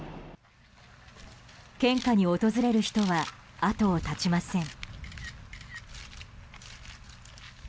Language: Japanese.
献花に訪れる人は後を絶ちません。